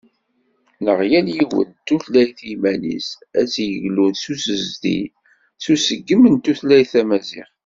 Neɣ yal yiwet d tutlayt iman-s ad d-yeglun s usezdi d useggem n tutlayt Tamaziɣt.